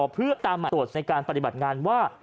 เพื่อตามตรวจในการปฏิบัติงานว่า